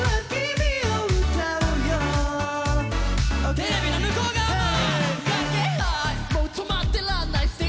テレビの向こう側も！